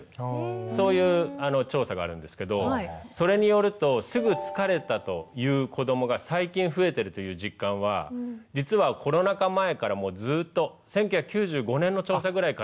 そういう調査があるんですけどそれによると「すぐ疲れた」という子どもが最近増えてるという実感は実はコロナ禍前からもずっと１９９５年の調査ぐらいからですから。